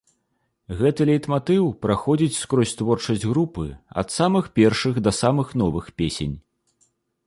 Гэты лейтматыў праходзіць скрозь творчасць групы, ад самых першых да самых новых песень.